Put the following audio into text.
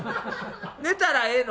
寝たらええの？